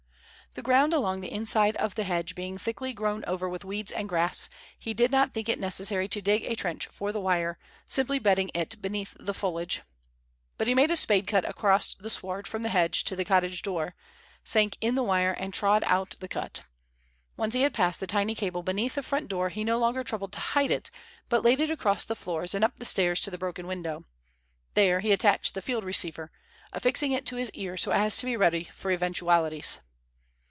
The ground along the inside of the hedge being thickly grown over with weeds and grass, he did not think it necessary to dig a trench for the wire, simply bedding it beneath the foliage. But he made a spade cut across the sward from the hedge to the cottage door, sank in the wire and trod out the cut. Once he had passed the tiny cable beneath the front door he no longer troubled to hide it but laid it across the floors and up the stairs to the broken window. There he attached the field receiver, affixing it to his ear so as to be ready for eventualities.